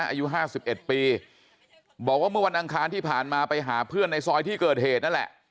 อายุ๕๑ปีบอกว่าเมื่อวันอังคารที่ผ่านมาไปหาเพื่อนในซอยที่เกิดเหตุนั่นแหละ